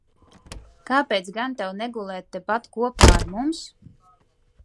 Kāpēc gan tev negulēt tepat kopā ar mums?